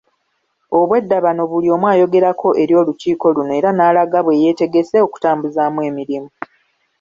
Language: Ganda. Obwedda bano buli omu ayogerako eri olukiiko luno era n'alaga bwe yeetegese okutambuzaamu emirimu.